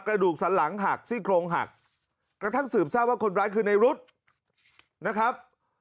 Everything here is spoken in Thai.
กระดูกสันหลังหักซี่โครงหักกระทั่งสืบทราบว่าคนร้ายคือในรถนะครับ